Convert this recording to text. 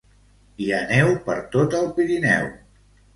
Hi ha neu per tot el Pirineu.